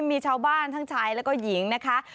มีชาวบ้านทั้งชายแล้วก็หญิงนะคะ